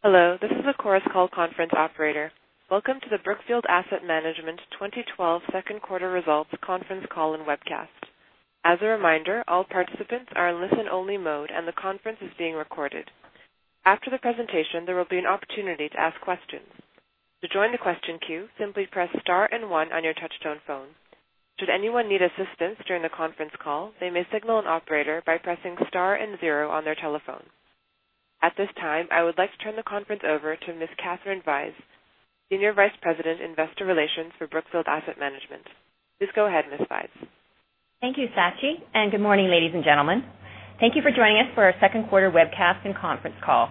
Hello, this is Chorus Call Conference Operator. Welcome to the Brookfield Asset Management 2012 second quarter results conference call and webcast. As a reminder, all participants are in listen-only mode, and the conference is being recorded. After the presentation, there will be an opportunity to ask questions. To join the question queue, simply press star and one on your touch-tone phone. Should anyone need assistance during the conference call, they may signal an operator by pressing star and zero on their telephone. At this time, I would like to turn the conference over to Ms. Catherine Vyse, Senior Vice President, Investor Relations for Brookfield Asset Management. Please go ahead, Ms. Vyse. Thank you, Sachi, good morning, ladies and gentlemen. Thank you for joining us for our second quarter webcast and conference call.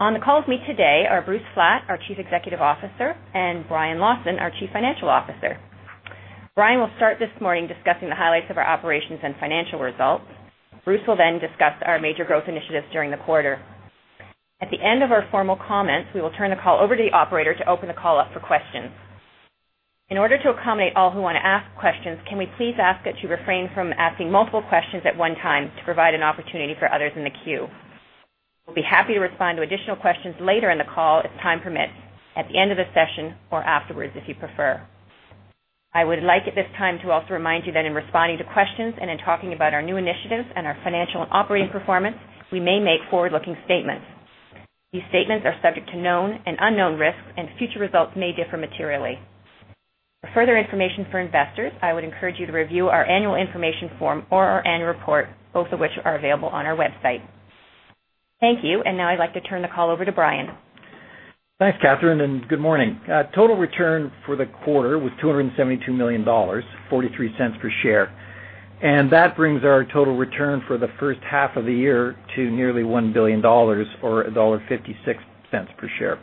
On the call with me today are Bruce Flatt, our Chief Executive Officer, and Brian Lawson, our Chief Financial Officer. Brian will start this morning discussing the highlights of our operations and financial results. Bruce will discuss our major growth initiatives during the quarter. At the end of our formal comments, we will turn the call over to the operator to open the call up for questions. In order to accommodate all who want to ask questions, can we please ask that you refrain from asking multiple questions at one time to provide an opportunity for others in the queue? We'll be happy to respond to additional questions later in the call if time permits, at the end of the session or afterwards, if you prefer. I would like at this time to also remind you that in responding to questions and in talking about our new initiatives and our financial and operating performance, we may make forward-looking statements. These statements are subject to known and unknown risks, and future results may differ materially. For further information for investors, I would encourage you to review our annual information form or our annual report, both of which are available on our website. Thank you. Now I'd like to turn the call over to Brian. Thanks, Katherine, good morning. Total return for the quarter was $272 million, $0.43 per share. That brings our total return for the first half of the year to nearly $1 billion, or $1.56 per share.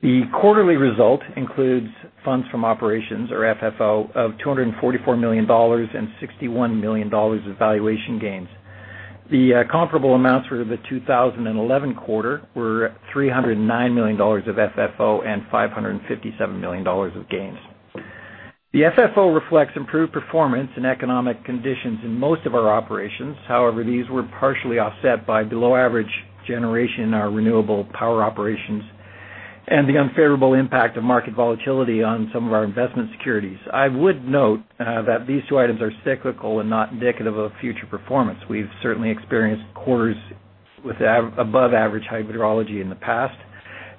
The quarterly result includes funds from operations, or FFO, of $244 million and $61 million of valuation gains. The comparable amounts for the 2011 quarter were $309 million of FFO and $557 million of gains. The FFO reflects improved performance in economic conditions in most of our operations. However, these were partially offset by below-average generation in our renewable power operations and the unfavorable impact of market volatility on some of our investment securities. I would note that these two items are cyclical and not indicative of future performance. We've certainly experienced quarters with above-average hydrology in the past,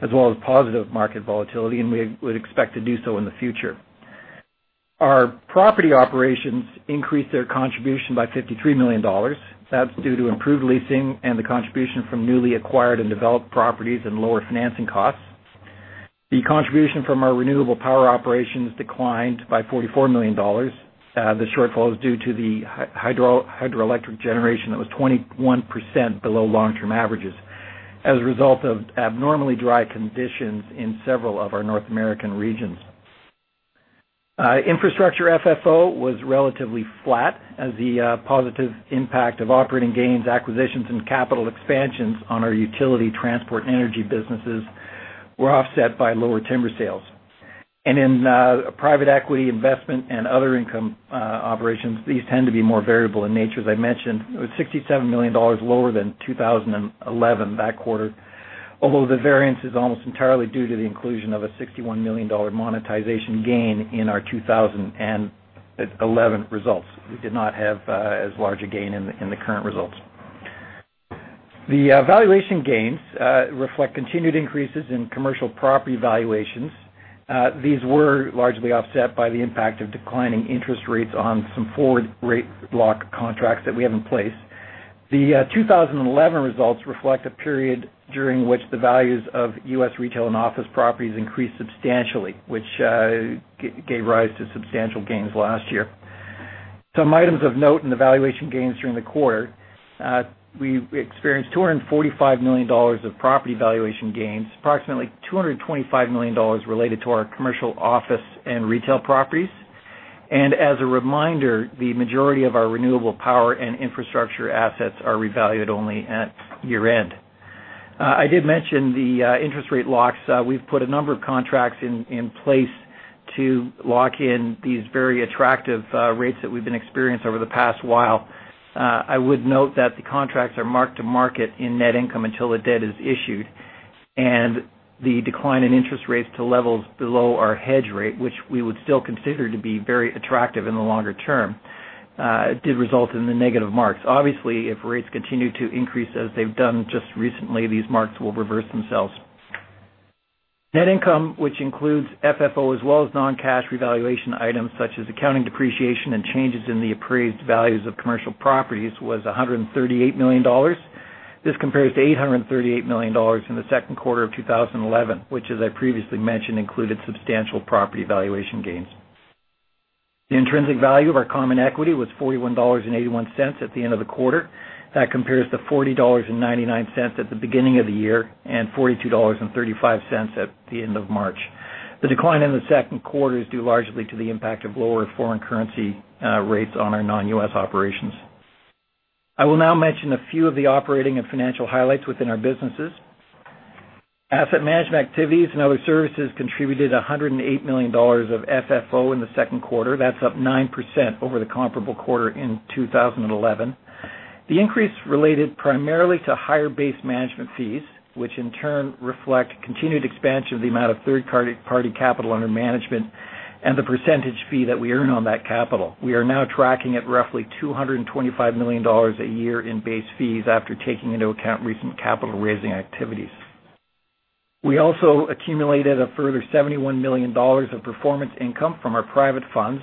as well as positive market volatility, and we would expect to do so in the future. Our property operations increased their contribution by $53 million. That's due to improved leasing and the contribution from newly acquired and developed properties and lower financing costs. The contribution from our renewable power operations declined by $44 million. The shortfall is due to the hydroelectric generation that was 21% below long-term averages as a result of abnormally dry conditions in several of our North American regions. Infrastructure FFO was relatively flat as the positive impact of operating gains, acquisitions, and capital expansions on our utility transport and energy businesses were offset by lower timber sales. In private equity investment and other income operations, these tend to be more variable in nature. As I mentioned, it was $67 million lower than 2011 that quarter, although the variance is almost entirely due to the inclusion of a $61 million monetization gain in our 2011 results. We did not have as large a gain in the current results. The valuation gains reflect continued increases in commercial property valuations. These were largely offset by the impact of declining interest rates on some forward rate lock contracts that we have in place. The 2011 results reflect a period during which the values of U.S. retail and office properties increased substantially, which gave rise to substantial gains last year. Some items of note in the valuation gains during the quarter, we experienced $245 million of property valuation gains, approximately $225 million related to our commercial office and retail properties. As a reminder, the majority of our renewable power and infrastructure assets are revalued only at year-end. I did mention the interest rate locks. We've put a number of contracts in place to lock in these very attractive rates that we've been experiencing over the past while. I would note that the contracts are marked to market in net income until the debt is issued, and the decline in interest rates to levels below our hedge rate, which we would still consider to be very attractive in the longer term, did result in the negative marks. Obviously, if rates continue to increase as they've done just recently, these marks will reverse themselves. Net income, which includes FFO, as well as non-cash revaluation items such as accounting depreciation and changes in the appraised values of commercial properties, was $138 million. This compares to $838 million in the second quarter of 2011, which, as I previously mentioned, included substantial property valuation gains. The intrinsic value of our common equity was $41.81 at the end of the quarter. That compares to $40.99 at the beginning of the year and $42.35 at the end of March. The decline in the second quarter is due largely to the impact of lower foreign currency rates on our non-U.S. operations. I will now mention a few of the operating and financial highlights within our businesses. Asset management activities and other services contributed $108 million of FFO in the second quarter. That's up 9% over the comparable quarter in 2011. The increase related primarily to higher base management fees, which in turn reflect continued expansion of the amount of third-party capital under management. The percentage fee that we earn on that capital. We are now tracking at roughly $225 million a year in base fees after taking into account recent capital-raising activities. We also accumulated a further $71 million of performance income from our private funds,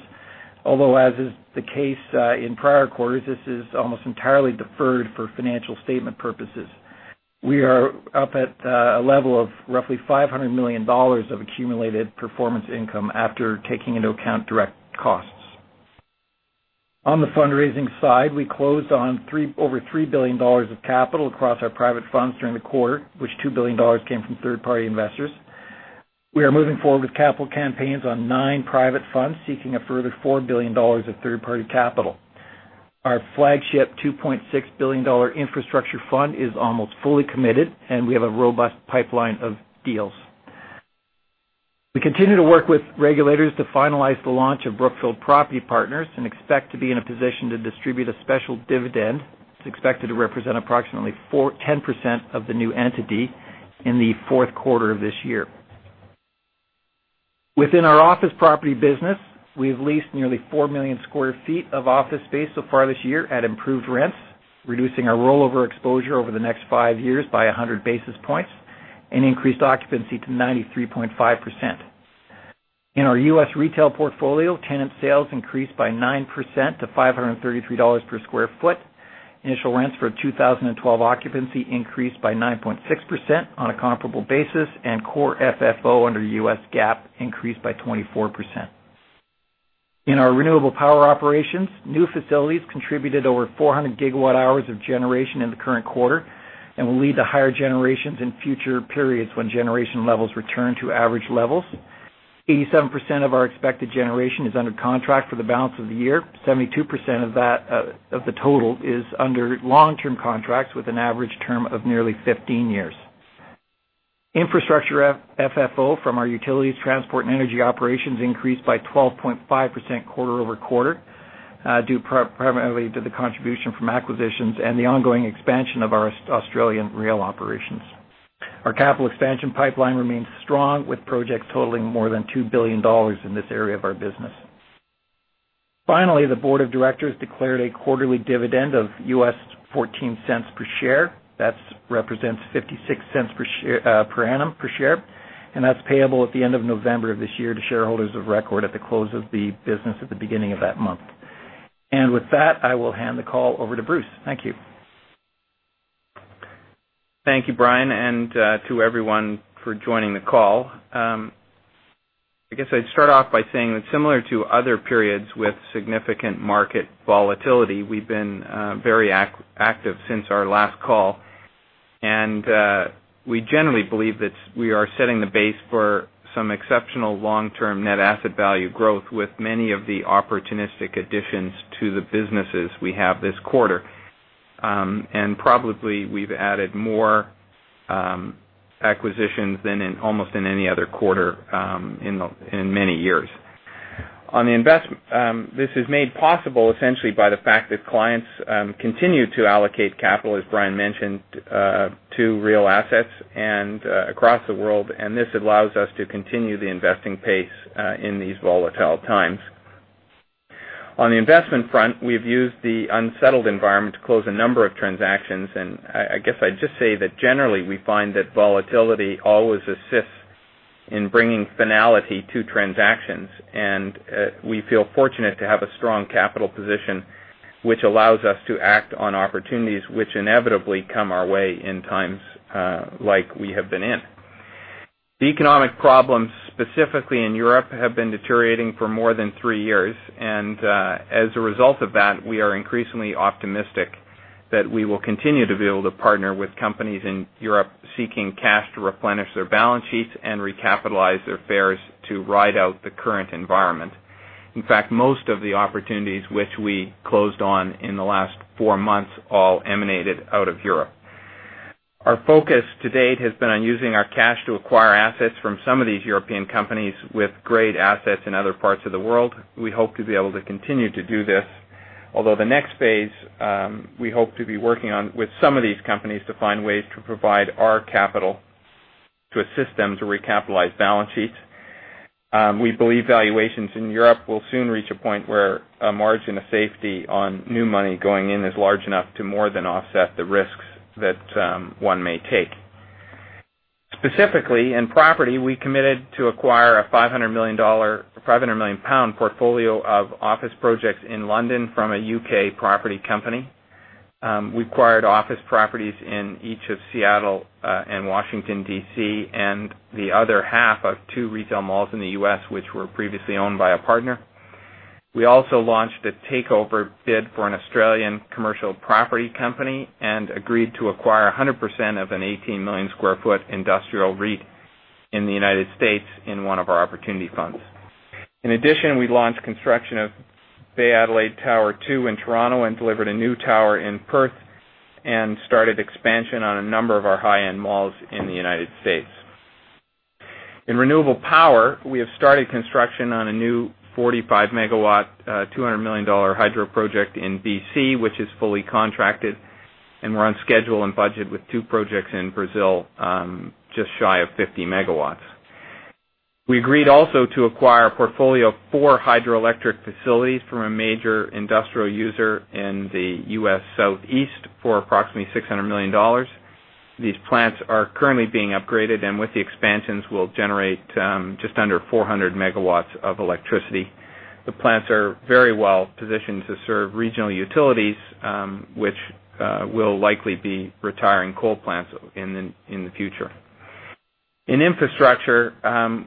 although, as is the case in prior quarters, this is almost entirely deferred for financial statement purposes. We are up at a level of roughly $500 million of accumulated performance income after taking into account direct costs. On the fundraising side, we closed on over $3 billion of capital across our private funds during the quarter, which $2 billion came from third-party investors. We are moving forward with capital campaigns on nine private funds, seeking a further $4 billion of third-party capital. Our flagship $2.6 billion infrastructure fund is almost fully committed, and we have a robust pipeline of deals. We continue to work with regulators to finalize the launch of Brookfield Property Partners and expect to be in a position to distribute a special dividend. It is expected to represent approximately 10% of the new entity in the fourth quarter of this year. Within our office property business, we have leased nearly four million square feet of office space so far this year at improved rents, reducing our rollover exposure over the next five years by 100 basis points and increased occupancy to 93.5%. In our U.S. retail portfolio, tenant sales increased by 9% to $533 per square foot. Initial rents for 2012 occupancy increased by 9.6% on a comparable basis, and core FFO under U.S. GAAP increased by 24%. In our renewable power operations, new facilities contributed over 400 gigawatt-hours of generation in the current quarter and will lead to higher generations in future periods when generation levels return to average levels. 87% of our expected generation is under contract for the balance of the year. 72% of the total is under long-term contracts with an average term of nearly 15 years. Infrastructure FFO from our utilities, transport, and energy operations increased by 12.5% quarter-over-quarter, due primarily to the contribution from acquisitions and the ongoing expansion of our Australian rail operations. Our capital expansion pipeline remains strong, with projects totaling more than $2 billion in this area of our business. Finally, the board of directors declared a quarterly dividend of U.S. $0.14 per share. That represents $0.56 per annum per share, and that is payable at the end of November of this year to shareholders of record at the close of the business at the beginning of that month. With that, I will hand the call over to Bruce. Thank you. Thank you, Brian, and to everyone for joining the call. I guess I would start off by saying that similar to other periods with significant market volatility, we have been very active since our last call. We generally believe that we are setting the base for some exceptional long-term net asset value growth with many of the opportunistic additions to the businesses we have this quarter. Probably we have added more acquisitions than in almost in any other quarter in many years. This is made possible essentially by the fact that clients continue to allocate capital, as Brian mentioned, to real assets and across the world, and this allows us to continue the investing pace in these volatile times. On the investment front, we've used the unsettled environment to close a number of transactions. I guess I'd just say that generally, we find that volatility always assists in bringing finality to transactions. We feel fortunate to have a strong capital position, which allows us to act on opportunities which inevitably come our way in times like we have been in. The economic problems, specifically in Europe, have been deteriorating for more than three years. As a result of that, we are increasingly optimistic that we will continue to be able to partner with companies in Europe seeking cash to replenish their balance sheets and recapitalize their fares to ride out the current environment. In fact, most of the opportunities which we closed on in the last four months all emanated out of Europe. Our focus to date has been on using our cash to acquire assets from some of these European companies with great assets in other parts of the world. We hope to be able to continue to do this, although the next phase we hope to be working on with some of these companies to find ways to provide our capital to assist them to recapitalize balance sheets. We believe valuations in Europe will soon reach a point where a margin of safety on new money going in is large enough to more than offset the risks that one may take. Specifically, in property, we committed to acquire a 500 million pound portfolio of office projects in London from a U.K. property company. We acquired office properties in each of Seattle and Washington, D.C., and the other half of two retail malls in the U.S., which were previously owned by a partner. We also launched a takeover bid for an Australian commercial property company and agreed to acquire 100% of an 18 million square foot industrial REIT in the U.S. in one of our opportunity funds. In addition, we launched construction of Bay Adelaide Tower Two in Toronto and delivered a new tower in Perth and started expansion on a number of our high-end malls in the U.S. In renewable power, we have started construction on a new 45 MW, $200 million hydro project in B.C., which is fully contracted. We're on schedule and budget with two projects in Brazil, just shy of 50 MW. We agreed also to acquire a portfolio of four hydroelectric facilities from a major industrial user in the U.S. Southeast for approximately $600 million. These plants are currently being upgraded, and with the expansions, will generate just under 400 MW of electricity. The plants are very well-positioned to serve regional utilities, which will likely be retiring coal plants in the future. In infrastructure,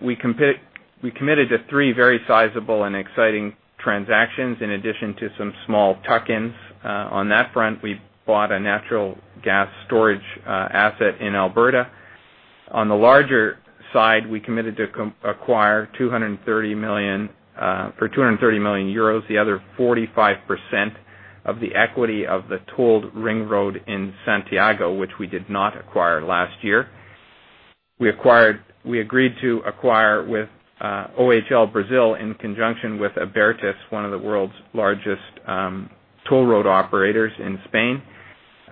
we committed to three very sizable and exciting transactions in addition to some small tuck-ins. On that front, we bought a natural gas storage asset in Alberta. On the larger side, we committed to acquire for 230 million euros, the other 45% of the equity of the tolled ring road in Santiago, which we did not acquire last year. We agreed to acquire with OHL Brasil in conjunction with Abertis, one of the world's largest toll road operators in Spain.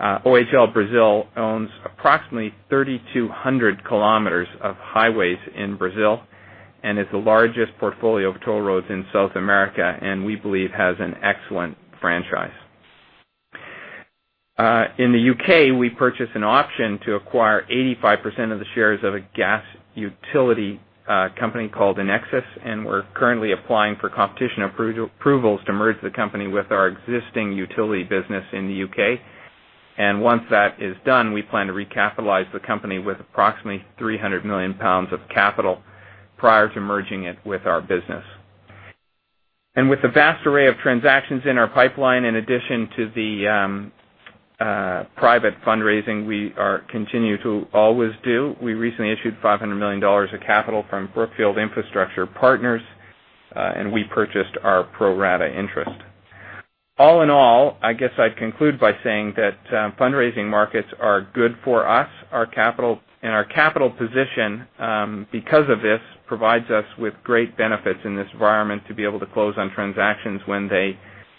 OHL Brasil owns approximately 3,200 km of highways in Brazil and is the largest portfolio of toll roads in South America, and we believe has an excellent franchise. In the U.K., we purchased an option to acquire 85% of the shares of a gas utility company called Inexus, we're currently applying for competition approvals to merge the company with our existing utility business in the U.K. Once that is done, we plan to recapitalize the company with approximately 300 million pounds of capital prior to merging it with our business. With a vast array of transactions in our pipeline, in addition to the private fundraising we continue to always do. We recently issued $500 million of capital from Brookfield Infrastructure Partners, we purchased our pro rata interest. All in all, I guess I'd conclude by saying that fundraising markets are good for us. Our capital position, because of this, provides us with great benefits in this environment to be able to close on transactions when they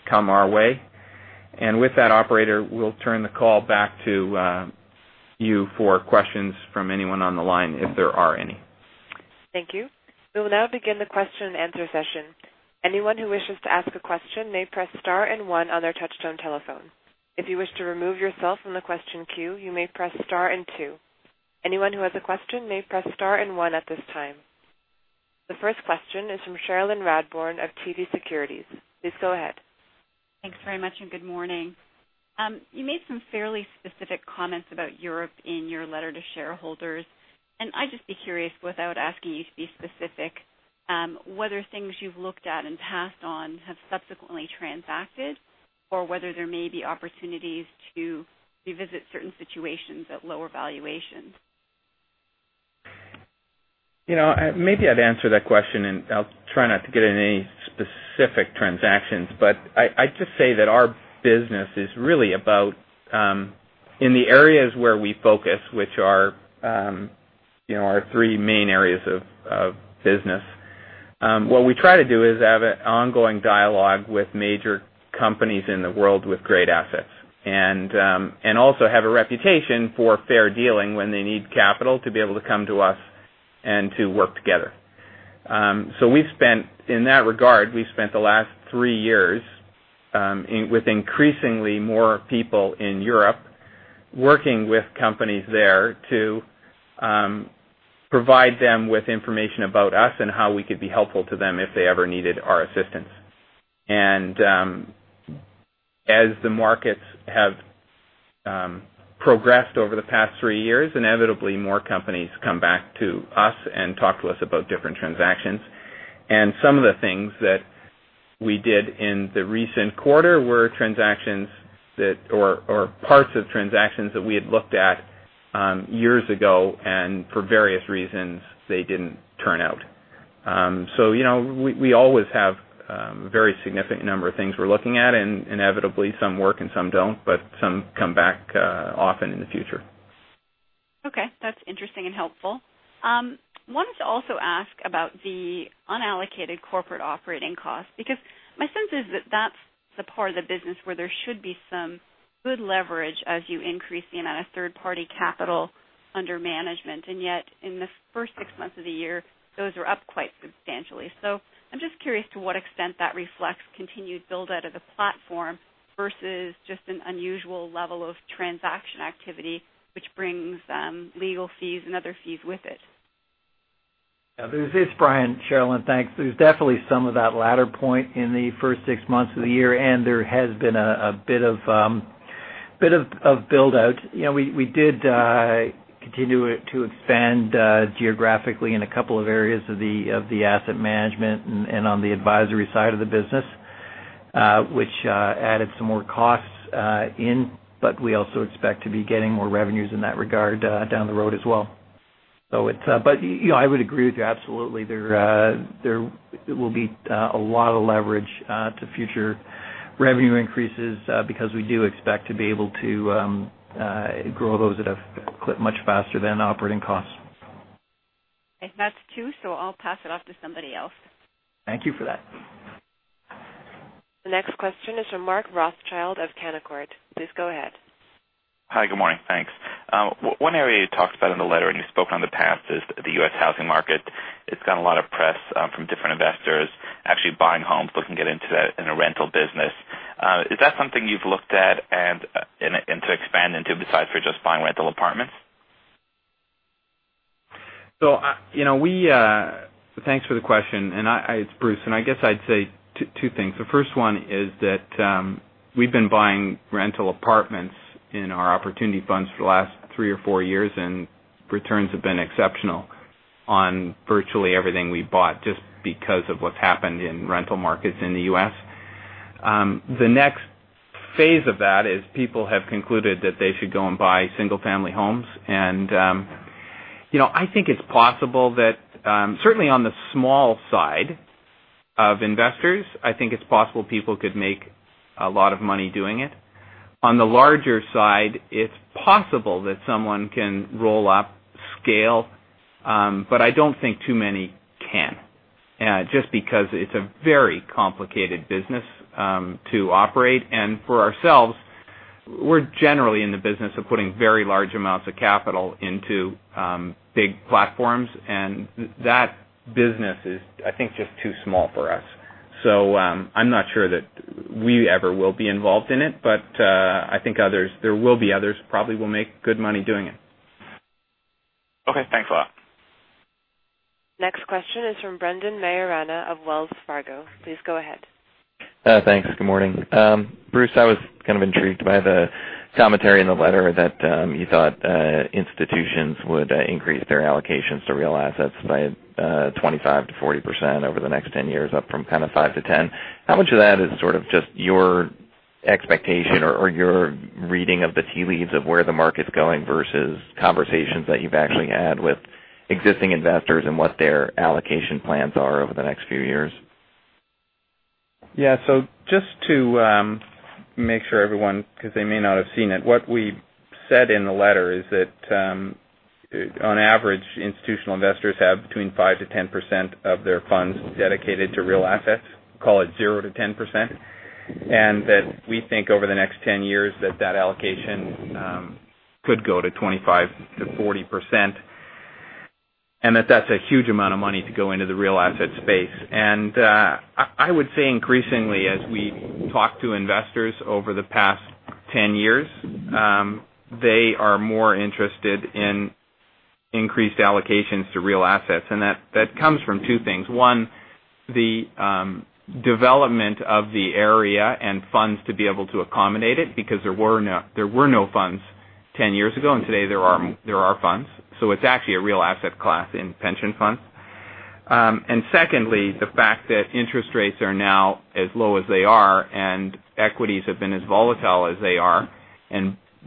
come our way. With that, operator, we'll turn the call back to you for questions from anyone on the line, if there are any. Thank you. We will now begin the question-and-answer session. Anyone who wishes to ask a question may press star 1 on their touchtone telephone. If you wish to remove yourself from the question queue, you may press star 2. Anyone who has a question may press star 1 at this time. The first question is from Cherilyn Radbourne of TD Securities. Please go ahead. Thanks very much, good morning. You made some fairly specific comments about Europe in your letter to shareholders, I'd just be curious, without asking you to be specific, whether things you've looked at and passed on have subsequently transacted or whether there may be opportunities to revisit certain situations at lower valuations. Maybe I'd answer that question. I'll try not to get into any specific transactions, but I'd just say that our business is really about, in the areas where we focus, which are our three main areas of business. What we try to do is have an ongoing dialogue with major companies in the world with great assets. Also have a reputation for fair dealing when they need capital to be able to come to us and to work together. We've spent, in that regard, we've spent the last three years with increasingly more people in Europe, working with companies there to provide them with information about us and how we could be helpful to them if they ever needed our assistance. As the markets have progressed over the past three years, inevitably more companies come back to us and talk to us about different transactions. Some of the things that we did in the recent quarter were transactions or parts of transactions that we had looked at years ago, and for various reasons, they didn't turn out. We always have a very significant number of things we're looking at, and inevitably some work and some don't, but some come back often in the future. Okay. That's interesting and helpful. Wanted to also ask about the unallocated corporate operating costs, because my sense is that that's the part of the business where there should be some good leverage as you increase the amount of third-party capital under management. Yet, in the first six months of the year, those are up quite substantially. I'm just curious to what extent that reflects continued build-out of the platform versus just an unusual level of transaction activity, which brings legal fees and other fees with it. Yeah. This is Brian, Cherilyn. Thanks. There's definitely some of that latter point in the first six months of the year, and there has been a bit of build-out. We did continue to expand geographically in a couple of areas of the asset management and on the advisory side of the business, which added some more costs in. We also expect to be getting more revenues in that regard down the road as well. I would agree with you absolutely. There will be a lot of leverage to future revenue increases because we do expect to be able to grow those at a clip much faster than operating costs. If that's two, I'll pass it off to somebody else. Thank you for that. The next question is from Mark Rothschild of Canaccord. Please go ahead. Hi, good morning. Thanks. One area you talked about in the letter, and you've spoken on in the past, is the U.S. housing market. It's gotten a lot of press from different investors, actually buying homes, looking to get into that in a rental business. Is that something you've looked at and to expand into besides for just buying rental apartments? Thanks for the question. It's Bruce, I guess I'd say two things. The first one is that we've been buying rental apartments in our opportunity funds for the last three or four years, returns have been exceptional on virtually everything we've bought, just because of what's happened in rental markets in the U.S. The next phase of that is people have concluded that they should go and buy single-family homes. I think it's possible that, certainly on the small side of investors, I think it's possible people could make a lot of money doing it. On the larger side, it's possible that someone can roll up scale. I don't think too many can. Just because it's a very complicated business to operate. For ourselves, we're generally in the business of putting very large amounts of capital into big platforms, and that business is, I think, just too small for us. I'm not sure that we ever will be involved in it, but I think there will be others, probably will make good money doing it. Okay, thanks a lot. Next question is from Brendan Maiorana of Wells Fargo. Please go ahead. Thanks. Good morning. Bruce, I was kind of intrigued by the commentary in the letter that you thought institutions would increase their allocations to real assets by 25%-40% over the next 10 years, up from kind of 5%-10%. How much of that is sort of just your expectation or your reading of the tea leaves of where the market's going versus conversations that you've actually had with existing investors and what their allocation plans are over the next few years? Yeah. Just to make sure everyone, because they may not have seen it, what we said in the letter is that, on average, institutional investors have between 5%-10% of their funds dedicated to real assets, call it 0%-10%, and that we think over the next 10 years that allocation could go to 25%-40%, and that that's a huge amount of money to go into the real asset space. I would say increasingly as we talk to investors over the past 10 years, they are more interested in increased allocations to real assets. That comes from two things. One, the development of the area and funds to be able to accommodate it because there were no funds 10 years ago, and today there are funds. It's actually a real asset class in pension funds. Secondly, the fact that interest rates are now as low as they are, equities have been as volatile as they are,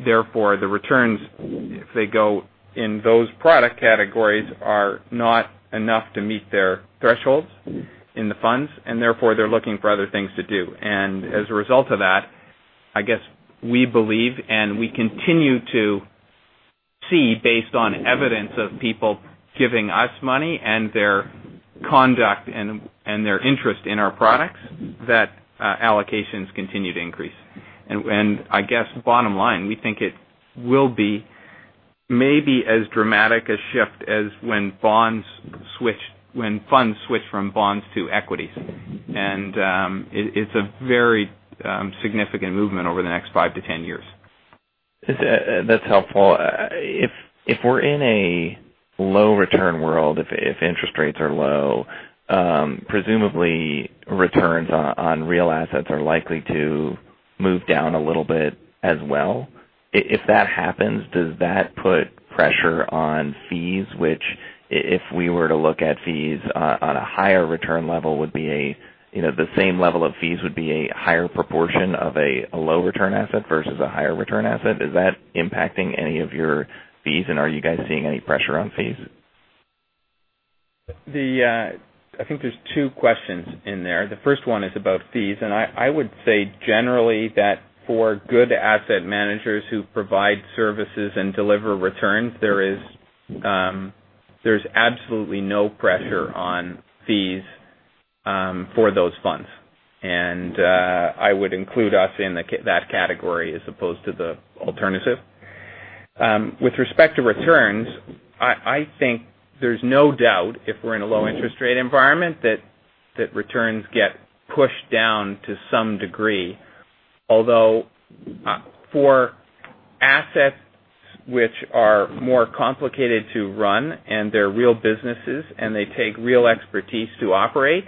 therefore the returns, if they go in those product categories, are not enough to meet their thresholds in the funds, therefore they're looking for other things to do. As a result of that, I guess we believe, and we continue to see, based on evidence of people giving us money and their conduct and their interest in our products, that allocations continue to increase. I guess bottom line, we think it will be maybe as dramatic a shift as when funds switched from bonds to equities. It's a very significant movement over the next 5-10 years. That's helpful. If we're in a low-return world, if interest rates are low, presumably returns on real assets are likely to move down a little bit as well. If that happens, does that put pressure on fees, which, if we were to look at fees on a higher return level, the same level of fees would be a higher proportion of a low return asset versus a higher return asset. Is that impacting any of your fees, and are you guys seeing any pressure on fees? I think there's two questions in there. The first one is about fees, I would say generally that for good asset managers who provide services and deliver returns, there's absolutely no pressure on fees for those funds. I would include us in that category as opposed to the alternative. With respect to returns, I think there's no doubt if we're in a low interest rate environment that returns get pushed down to some degree. Although for assets which are more complicated to run and they're real businesses and they take real expertise to operate,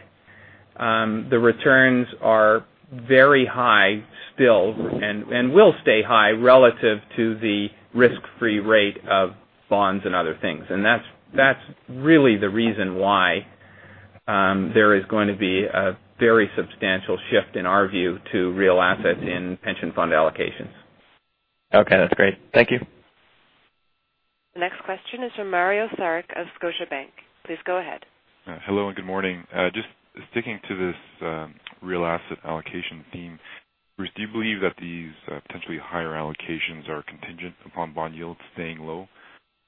the returns are very high still and will stay high relative to the risk-free rate of bonds and other things. That's really the reason why there is going to be a very substantial shift in our view to real assets in pension fund allocations. Okay. That's great. Thank you. The next question is from Mario Saric of Scotiabank. Please go ahead. Hello. Good morning. Just sticking to this real asset allocation theme Bruce, do you believe that these potentially higher allocations are contingent upon bond yields staying low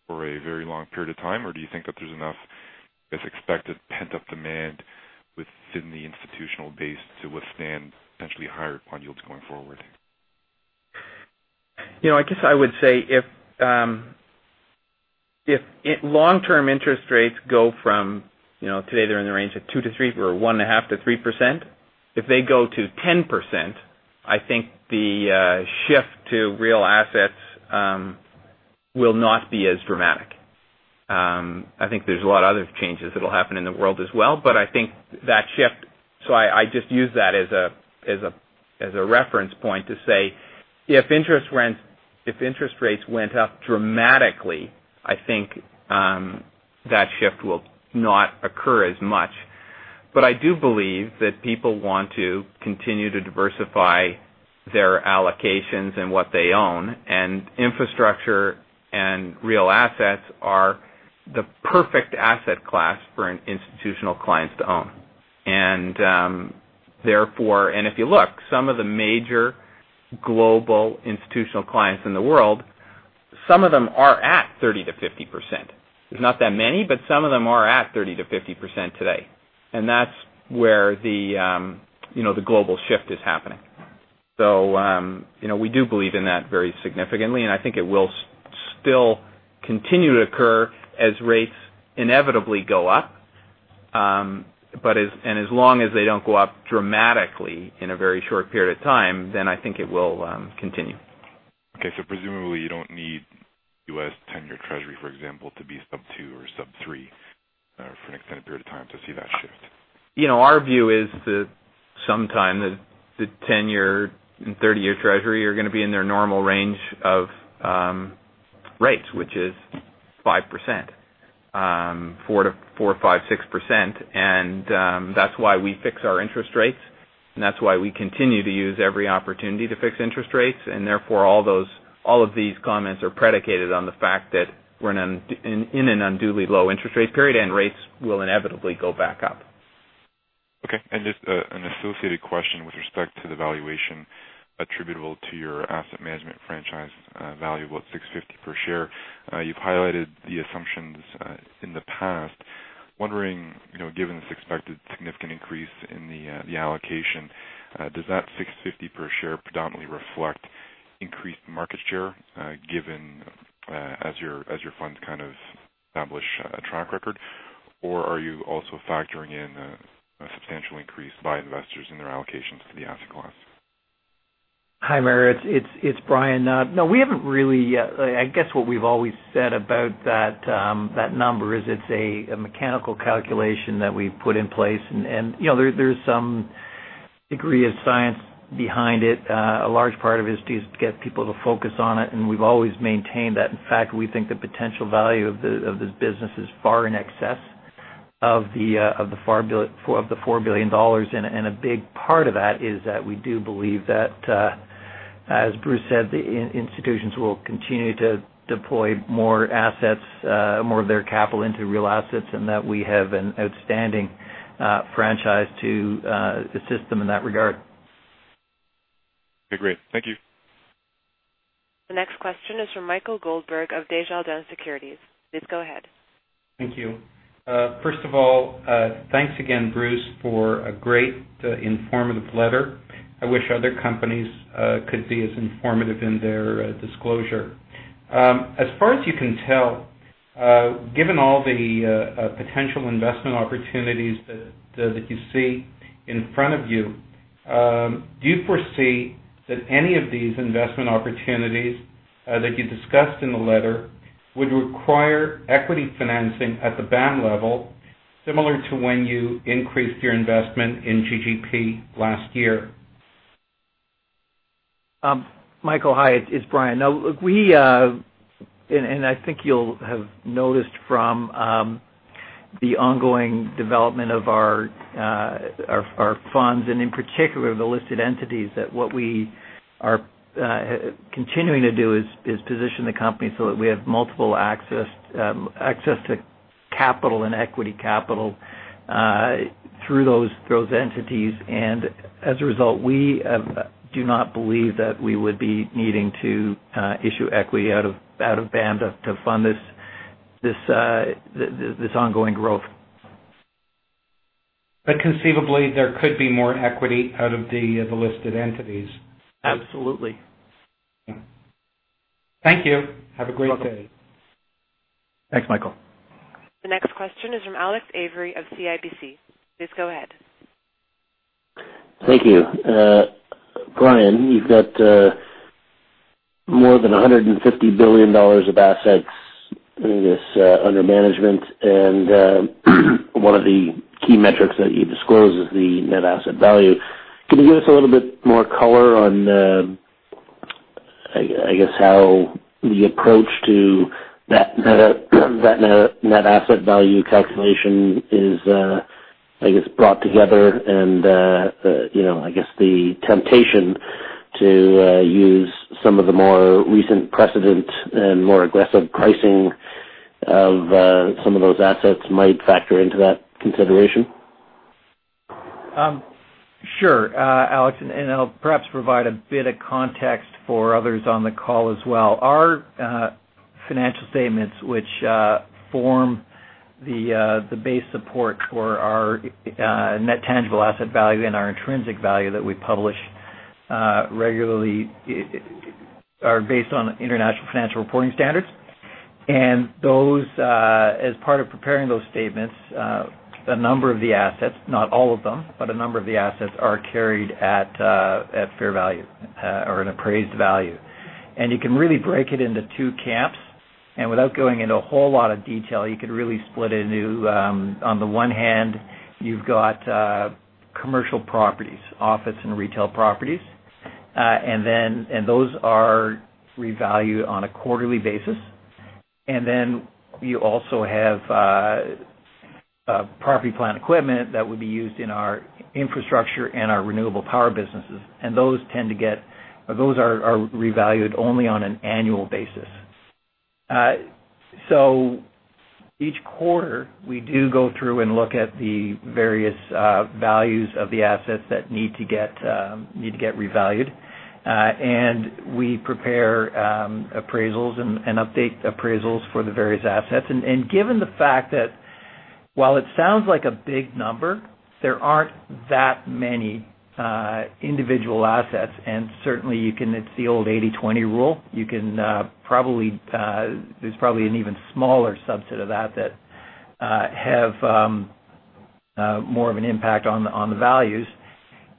for a very long period of time, or do you think that there's enough, I guess, expected pent-up demand within the institutional base to withstand potentially higher bond yields going forward? I guess I would say if long-term interest rates go from, today they're in the range of 2%-3%, or 1.5% to 3%. If they go to 10%, I think the shift to real assets will not be as dramatic. I think there's a lot of other changes that will happen in the world as well, but I think that shift. I just use that as a reference point to say, if interest rates went up dramatically, I think that shift will not occur as much. I do believe that people want to continue to diversify their allocations and what they own, and infrastructure and real assets are the perfect asset class for institutional clients to own. If you look, some of the major global institutional clients in the world, some of them are at 30% to 50%. There's not that many, but some of them are at 30% to 50% today, and that's where the global shift is happening. We do believe in that very significantly, and I think it will still continue to occur as rates inevitably go up. As long as they don't go up dramatically in a very short period of time, then I think it will continue. Presumably you don't need U.S. 10-year Treasury, for example, to be sub 2% or sub 3% for an extended period of time to see that shift. Our view is that sometime the 10-year and 30-year Treasury are going to be in their normal range of rates, which is 5%, 4%, 5%, 6%, that's why we fix our interest rates, that's why we continue to use every opportunity to fix interest rates. Therefore, all of these comments are predicated on the fact that we're in an unduly low interest rate period, rates will inevitably go back up. Just an associated question with respect to the valuation attributable to your asset management franchise value of $6.50 per share. You've highlighted the assumptions in the past. Wondering, given this expected significant increase in the allocation, does that $6.50 per share predominantly reflect increased market share given as your funds kind of establish a track record? Or are you also factoring in a substantial increase by investors in their allocations to the asset class? Hi, Mario Saric, it's Brian Lawson. We haven't really yet. I guess what we've always said about that number is it's a mechanical calculation that we've put in place, and there's some degree of science behind it. A large part of it is to get people to focus on it, and we've always maintained that. In fact, we think the potential value of this business is far in excess of the $4 billion. A big part of that is that we do believe that, as Bruce Flatt said, the institutions will continue to deploy more assets, more of their capital into real assets, and that we have an outstanding franchise to assist them in that regard. Okay, great. Thank you. The next question is from Michael Goldberg of Desjardins Securities. Please go ahead. Thank you. First of all, thanks again, Bruce, for a great, informative letter. I wish other companies could be as informative in their disclosure. As far as you can tell, given all the potential investment opportunities that you see in front of you, do you foresee that any of these investment opportunities that you discussed in the letter would require equity financing at the BAM level, similar to when you increased your investment in GGP last year? Michael, hi. It's Brian. I think you'll have noticed from the ongoing development of our funds, in particular the listed entities, that what we are continuing to do is position the company so that we have multiple access to capital and equity capital through those entities. As a result, we do not believe that we would be needing to issue equity out of BAM to fund this ongoing growth. Conceivably there could be more equity out of the listed entities. Absolutely. Thank you. Have a great day. You're welcome. Thanks, Michael. The next question is from Alex Avery of CIBC. Please go ahead. Thank you. Brian, you've got more than $150 billion of assets in this under management, and one of the key metrics that you disclose is the net asset value. Can you give us a little bit more color on, I guess, how the approach to that net asset value calculation is brought together and, I guess, the temptation to use some of the more recent precedent and more aggressive pricing? Of some of those assets might factor into that consideration? Sure, Alex, I'll perhaps provide a bit of context for others on the call as well. Our financial statements, which form the base support for our net tangible asset value and our intrinsic value that we publish regularly, are based on International Financial Reporting Standards. As part of preparing those statements, a number of the assets, not all of them, but a number of the assets are carried at fair value or an appraised value. You can really break it into two camps. Without going into a whole lot of detail, you could really split into, on the one hand, you've got commercial properties, office and retail properties, and those are revalued on a quarterly basis. Then you also have property plant equipment that would be used in our infrastructure and our renewable power businesses. Those are revalued only on an annual basis. Each quarter, we do go through and look at the various values of the assets that need to get revalued. We prepare appraisals and update appraisals for the various assets. Given the fact that while it sounds like a big number, there aren't that many individual assets, and certainly it's the old 80/20 rule. There's probably an even smaller subset of that that have more of an impact on the values.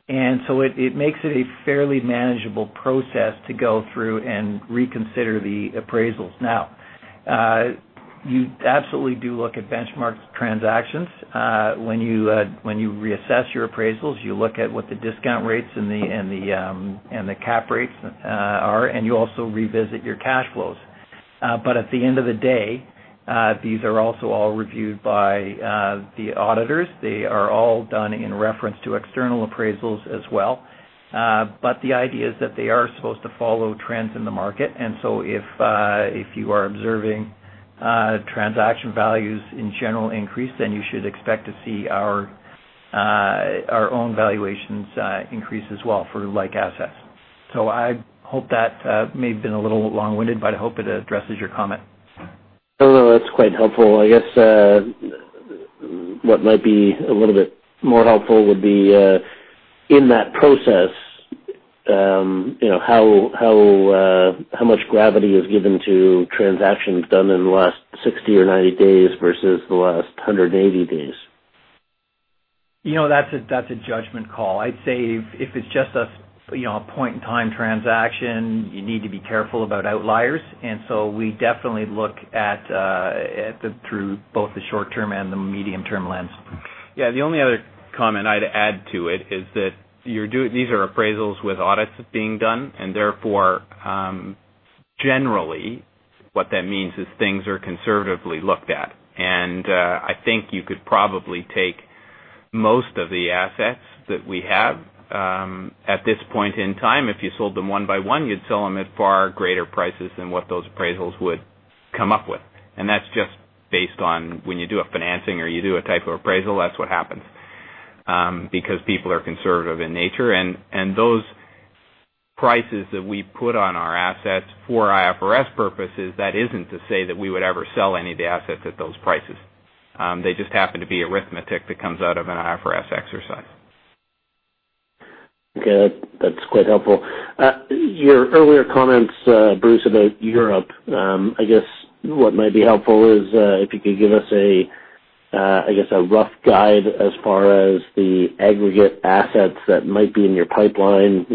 It makes it a fairly manageable process to go through and reconsider the appraisals. Now, you absolutely do look at benchmark transactions. When you reassess your appraisals, you look at what the discount rates and the cap rates are, and you also revisit your cash flows. At the end of the day, these are also all reviewed by the auditors. They are all done in reference to external appraisals as well. The idea is that they are supposed to follow trends in the market. If you are observing transaction values in general increase, then you should expect to see our own valuations increase as well for like assets. I hope that, may have been a little long-winded, but I hope it addresses your comment. No, that's quite helpful. I guess what might be a little bit more helpful would be, in that process, how much gravity is given to transactions done in the last 60 or 90 days versus the last 180 days? That's a judgment call. I'd say if it's just a point-in-time transaction, you need to be careful about outliers. We definitely look at through both the short-term and the medium-term lens. Yeah. The only other comment I'd add to it is that these are appraisals with audits being done, therefore, generally, what that means is things are conservatively looked at. I think you could probably take most of the assets that we have. At this point in time, if you sold them one by one, you'd sell them at far greater prices than what those appraisals would come up with. That's just based on when you do a financing or you do a type of appraisal, that's what happens, because people are conservative in nature. Those prices that we put on our assets for IFRS purposes, that isn't to say that we would ever sell any of the assets at those prices. They just happen to be arithmetic that comes out of an IFRS exercise. Okay. That's quite helpful. Your earlier comments, Bruce, about Europe, I guess what might be helpful is if you could give us, I guess, a rough guide as far as the aggregate assets that might be in your pipeline,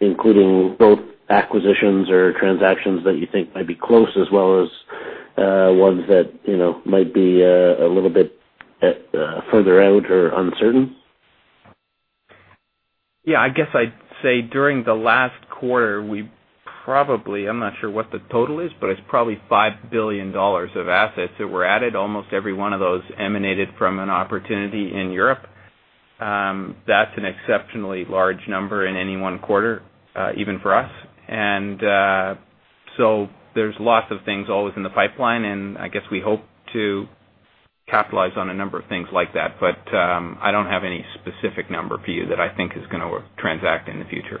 including both acquisitions or transactions that you think might be close, as well as ones that might be a little bit further out or uncertain. Yeah, I guess I'd say during the last quarter, we probably, I'm not sure what the total is, but it's probably $5 billion of assets that were added. Almost every one of those emanated from an opportunity in Europe. That's an exceptionally large number in any one quarter, even for us. There's lots of things always in the pipeline, and I guess we hope to capitalize on a number of things like that. I don't have any specific number for you that I think is going to transact in the future.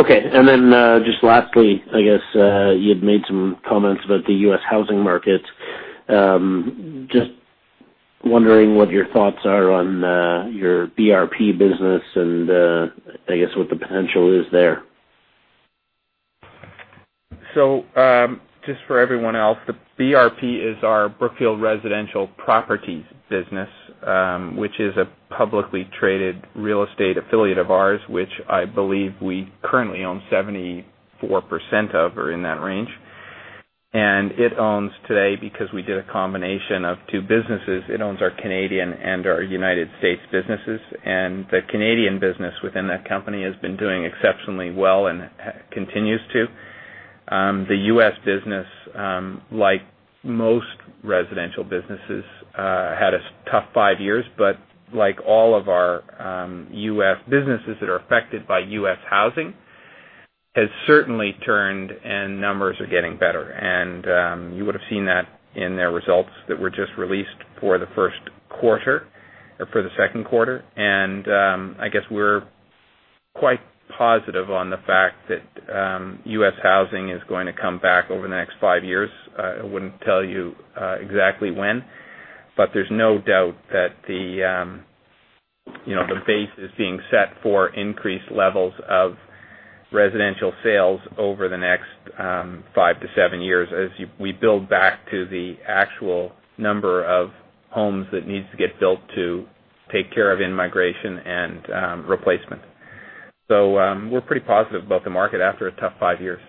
Okay. Just lastly, I guess, you had made some comments about the U.S. housing market. Just wondering what your thoughts are on your BRP business and, I guess what the potential is there. Just for everyone else, the BRP is our Brookfield Residential Properties business, which is a publicly traded real estate affiliate of ours, which I believe we currently own 74% of or in that range. It owns today because we did a combination of two businesses. It owns our Canadian and our United States businesses, and the Canadian business within that company has been doing exceptionally well and continues to. The U.S. business, like most residential businesses had a tough five years, but like all of our U.S. businesses that are affected by U.S. housing, has certainly turned and numbers are getting better. You would've seen that in their results that were just released for the first quarter or for the second quarter. I guess we're quite positive on the fact that U.S. housing is going to come back over the next five years. I wouldn't tell you exactly when, but there's no doubt that the base is being set for increased levels of residential sales over the next five to seven years as we build back to the actual number of homes that needs to get built to take care of in-migration and replacement. We're pretty positive about the market after a tough five years.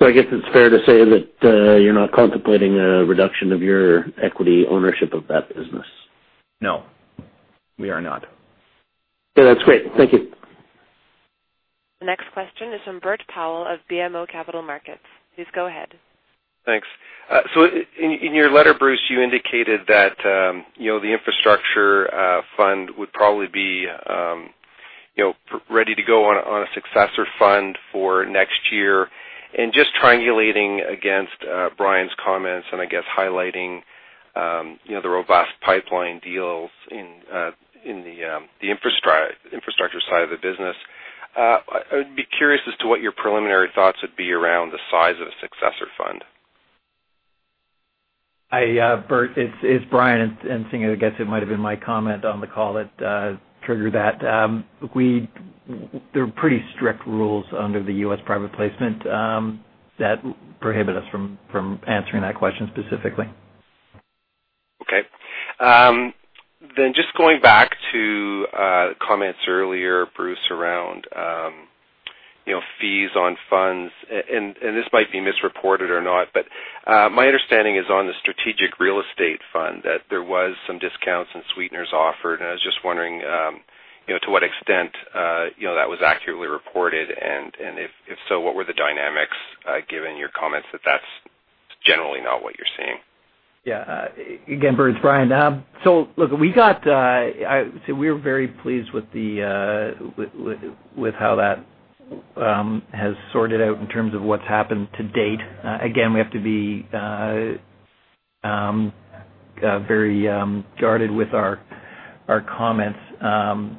I guess it's fair to say that you're not contemplating a reduction of your equity ownership of that business. No, we are not. That's great. Thank you. The next question is from Bert Powell of BMO Capital Markets. Please go ahead. Thanks. In your letter, Bruce, you indicated that the infrastructure fund would probably be ready to go on a successor fund for next year. Just triangulating against Brian's comments and I guess highlighting the robust pipeline deals in the infrastructure side of the business, I would be curious as to what your preliminary thoughts would be around the size of a successor fund. Hi, Bert, it's Brian. I guess it might've been my comment on the call that triggered that. There are pretty strict rules under the U.S. private placement that prohibit us from answering that question specifically. Okay. Just going back to comments earlier, Bruce, around fees on funds, and this might be misreported or not, but my understanding is on the strategic real estate fund that there was some discounts and sweeteners offered. I was just wondering to what extent that was accurately reported, and if so, what were the dynamics, given your comments that that's generally not what you're seeing? Yeah. Again, Bert, it's Brian. Look, we were very pleased with how that has sorted out in terms of what's happened to date. Again, we have to be very guarded with our comments. I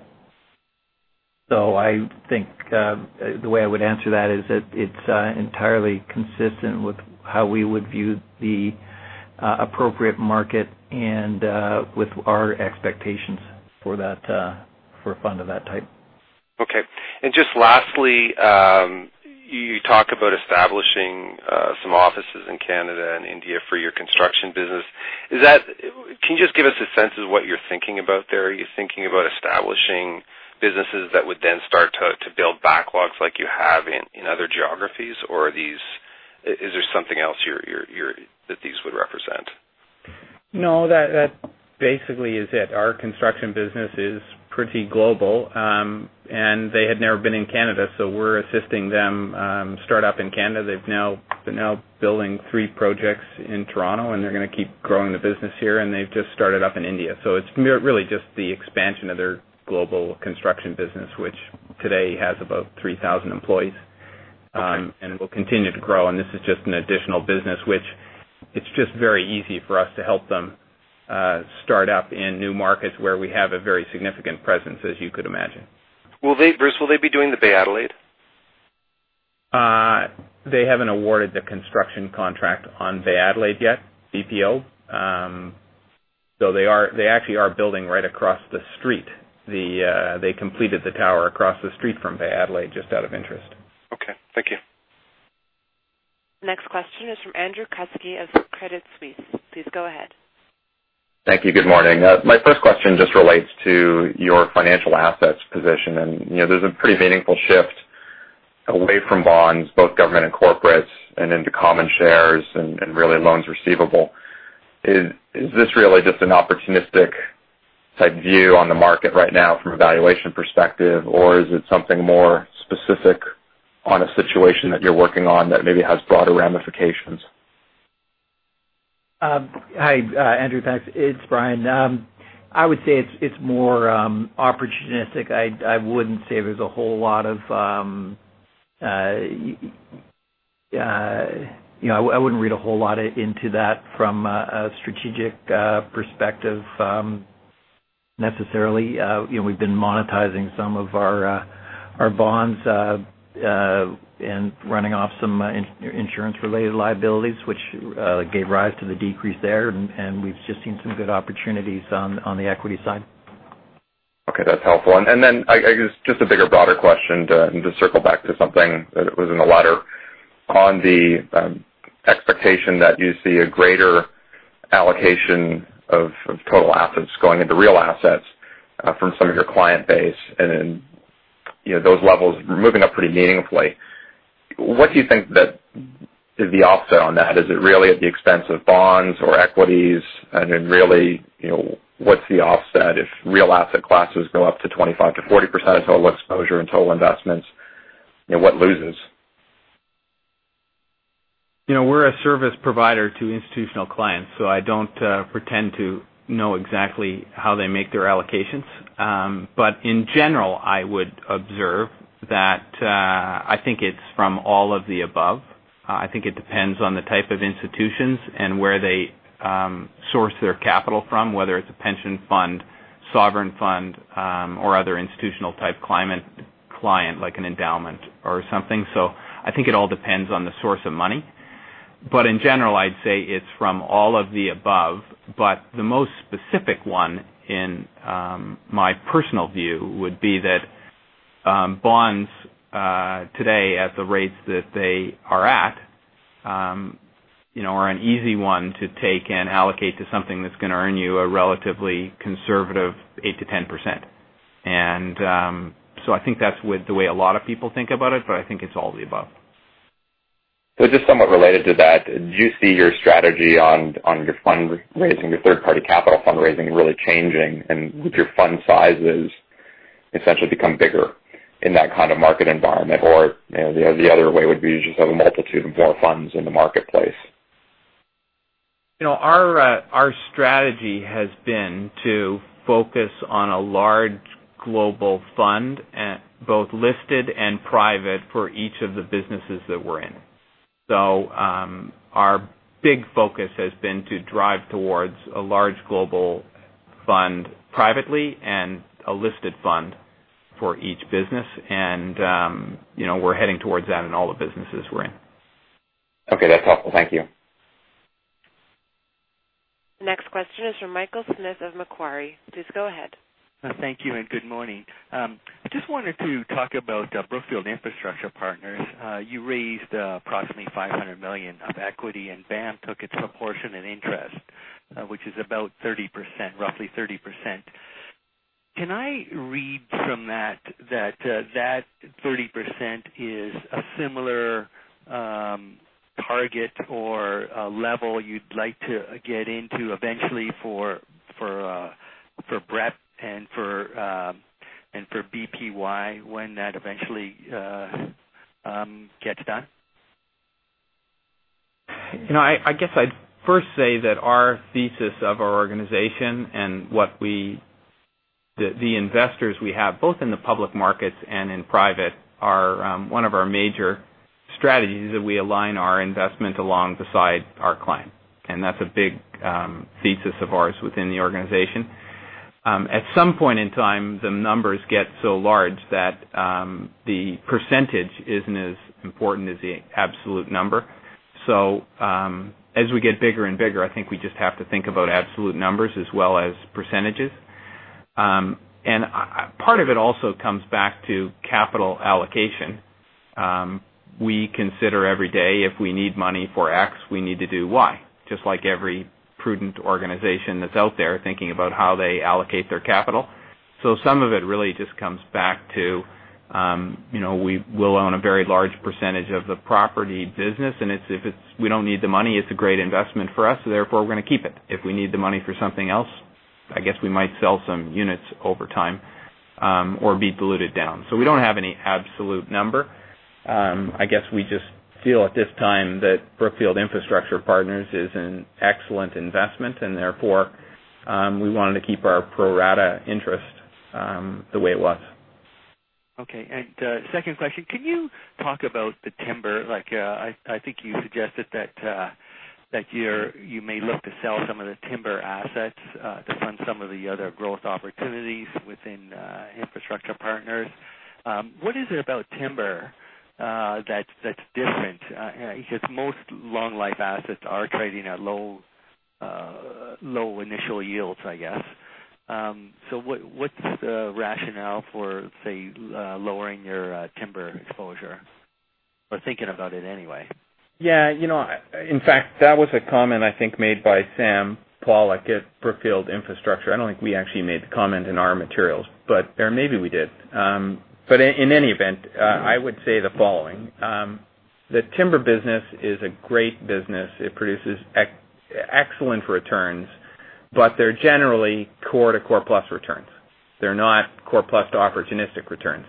think the way I would answer that is that it's entirely consistent with how we would view the appropriate market and with our expectations for a fund of that type. Okay. Just lastly, you talk about establishing some offices in Canada and India for your construction business. Can you just give us a sense of what you're thinking about there? Are you thinking about establishing businesses that would then start to build backlogs like you have in other geographies? Or is there something else that these would represent? No, that basically is it. Our construction business is pretty global, they had never been in Canada, we're assisting them start up in Canada. They're now building three projects in Toronto, they're going to keep growing the business here, they've just started up in India. It's really just the expansion of their global construction business, which today has about 3,000 employees- Okay Will continue to grow. This is just an additional business, which it's just very easy for us to help them start up in new markets where we have a very significant presence, as you could imagine. Bruce, will they be doing the Bay Adelaide? They haven't awarded the construction contract on Bay Adelaide yet, BPO. They actually are building right across the street. They completed the tower across the street from Bay Adelaide, just out of interest. Okay. Thank you. Next question is from Andrew Kuske of Credit Suisse. Please go ahead. Thank you. Good morning. My first question just relates to your financial assets position. There's a pretty meaningful shift away from bonds, both government and corporates, and into common shares and really loans receivable. Is this really just an opportunistic type view on the market right now from a valuation perspective, or is it something more specific on a situation that you're working on that maybe has broader ramifications? Hi, Andrew. Thanks. It is Brian. I would say it is more opportunistic. I would not read a whole lot into that from a strategic perspective necessarily. We have been monetizing some of our bonds and running off some insurance-related liabilities, which gave rise to the decrease there, and we have just seen some good opportunities on the equity side. Okay. That is helpful. I guess just a bigger, broader question to just circle back to something that was in the letter. On the expectation that you see a greater allocation of total assets going into real assets from some of your client base, those levels moving up pretty meaningfully, what do you think is the offset on that? Is it really at the expense of bonds or equities? Really, what is the offset if real asset classes go up to 25%-40% of total exposure and total investments, what loses? We are a service provider to institutional clients, so I do not pretend to know exactly how they make their allocations. In general, I would observe that I think it is from all of the above. I think it depends on the type of institutions and where they source their capital from, whether it is a pension fund, sovereign fund, or other institutional-type client, like an endowment or something. I think it all depends on the source of money. In general, I would say it is from all of the above. The most specific one, in my personal view, would be that bonds today, at the rates that they are at, are an easy one to take and allocate to something that is going to earn you a relatively conservative 8%-10%. I think that is the way a lot of people think about it, I think it is all of the above. Just somewhat related to that, do you see your strategy on your fundraising, your third-party capital fundraising really changing and with your fund sizes essentially become bigger in that kind of market environment? Or, the other way would be just have a multitude of more funds in the marketplace. Our strategy has been to focus on a large global fund, both listed and private, for each of the businesses that we're in. Our big focus has been to drive towards a large global fund privately and a listed fund for each business. We're heading towards that in all the businesses we're in. Okay. That's helpful. Thank you. Next question is from Michael Smith of Macquarie. Please go ahead. Thank you and good morning. I just wanted to talk about Brookfield Infrastructure Partners. You raised approximately $500 million of equity, and BAM took its proportion and interest, which is about 30%, roughly 30%. Can I read from that 30% is a similar target or a level you'd like to get into eventually for BREP and for BPY when that eventually gets done? I guess I'd first say that our thesis of our organization and the investors we have, both in the public markets and in private, one of our major strategies is that we align our investment alongside our client. That's a big thesis of ours within the organization. At some point in time, the numbers get so large that the percentage isn't as important as the absolute number. As we get bigger and bigger, I think we just have to think about absolute numbers as well as percentages. Part of it also comes back to capital allocation. We consider every day if we need money for X, we need to do Y, just like every prudent organization that's out there thinking about how they allocate their capital. Some of it really just comes back to we will own a very large percentage of the property business, and we don't need the money. It's a great investment for us, so therefore we're going to keep it. If we need the money for something else, I guess we might sell some units over time, or be diluted down. We don't have any absolute number. I guess we just feel at this time that Brookfield Infrastructure Partners is an excellent investment, and therefore, we wanted to keep our pro rata interest the way it was. Okay. Second question, can you talk about the timber? I think you suggested that you may look to sell some of the timber assets to fund some of the other growth opportunities within Infrastructure Partners. What is it about timber that's different? Because most long-life assets are trading at low initial yields, I guess. What's the rationale for, say, lowering your timber exposure or thinking about it anyway? Yeah. In fact, that was a comment I think, made by Sam Pollock at Brookfield Infrastructure. I don't think we actually made the comment in our materials, or maybe we did. In any event, I would say the following. The timber business is a great business. It produces excellent returns, but they're generally core to core plus returns. They're not core plus to opportunistic returns.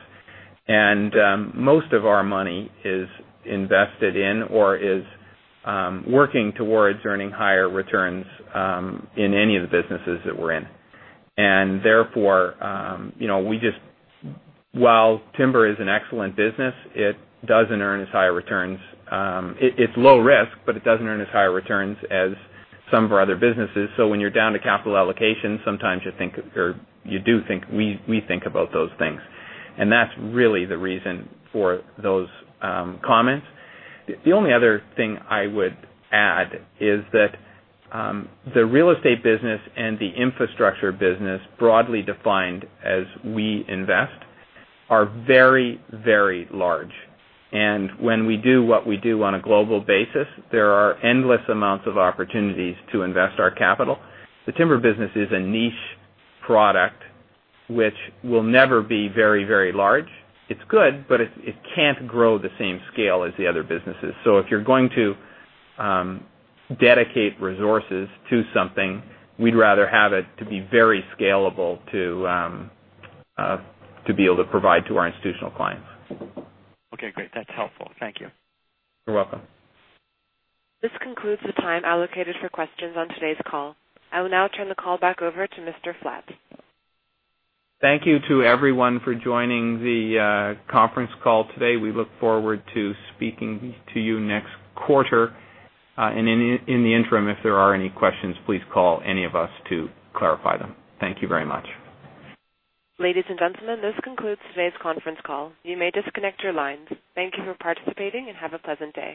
Most of our money is invested in or is working towards earning higher returns in any of the businesses that we're in. Therefore, while timber is an excellent business, it doesn't earn as high returns. It's low risk, but it doesn't earn as high returns as some of our other businesses. When you're down to capital allocation, sometimes we think about those things. That's really the reason for those comments. The only other thing I would add is that the real estate business and the infrastructure business, broadly defined as we invest, are very large. When we do what we do on a global basis, there are endless amounts of opportunities to invest our capital. The timber business is a niche product which will never be very large. It's good, but it can't grow the same scale as the other businesses. If you're going to dedicate resources to something, we'd rather have it to be very scalable to be able to provide to our institutional clients. Okay, great. That's helpful. Thank you. You're welcome. This concludes the time allocated for questions on today's call. I will now turn the call back over to Mr. Flatt. Thank you to everyone for joining the conference call today. We look forward to speaking to you next quarter. In the interim, if there are any questions, please call any of us to clarify them. Thank you very much. Ladies and gentlemen, this concludes today's conference call. You may disconnect your lines. Thank you for participating and have a pleasant day.